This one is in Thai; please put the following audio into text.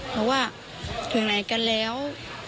บอกว่าถึงไหนกันแล้ว